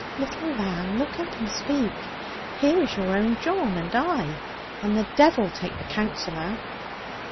Little lamb, look up and speak: here is your own John and I; and the devil take the Counsellor.'